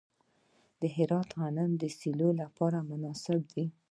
د هرات غنم د سیلو لپاره مناسب دي.